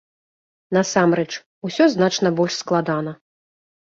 Насамрэч, усё значна больш складана.